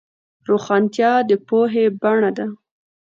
روښانتیا د پوهې بڼه ده.